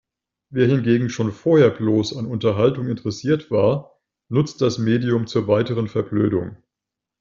Wer hingegen schon vorher bloß an Unterhaltung interessiert war, nutzt das Medium zur weiteren Verblödung.